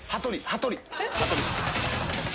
「羽鳥」！